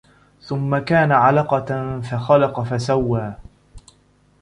ثُمَّ كانَ عَلَقَةً فَخَلَقَ فَسَوّى